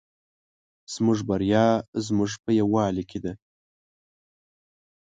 زموږ بریا زموږ په یوالي کې ده